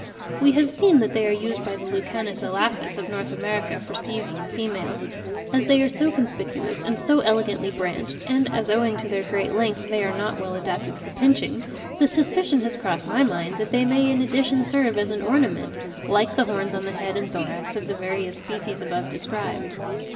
We have seen that they are used by the Lucanus elaphus of N. America for seizing the female. As they are so conspicuous and so elegantly branched, and as owing to their great length they are not well adapted for pinching, the suspicion has crossed my mind that they may in addition serve as an ornament, like the horns on the head and thorax of the various species above described.